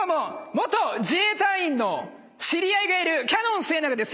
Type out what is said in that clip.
元自衛隊員の知り合いがいるキャノンすえながです。